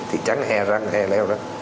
thị trắng e leo đó